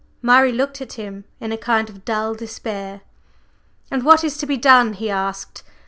Murray looked at him in a kind of dull despair. "And what is to be done?" he asked.